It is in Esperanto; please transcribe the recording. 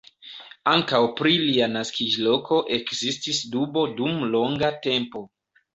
Ankaŭ pri lia naskiĝloko ekzistis dubo dum longa tempo.